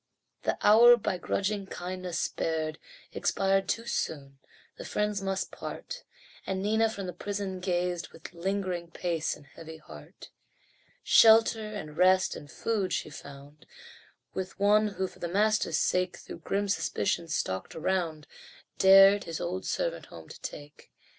The hour by grudging kindness spared Expired too soon the friends must part And Nina from the prison gazed, With lingering pace and heavy heart. Shelter, and rest, and food she found With one who, for the master's sake, Though grim suspicion stalked around, Dared his old servant home to take.